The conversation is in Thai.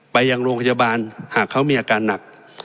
ไปยังโรงพยาบาลหากเขามีอาการหนัก